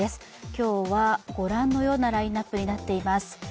今日はご覧のようなラインナップになっています。